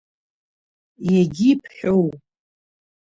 Егьи бҳәоу?